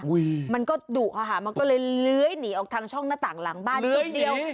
มันก็ดุค่ะมันก็เลยเลื้อยหนีออกทางช่องหน้าต่างหลังบ้านนิดเดียว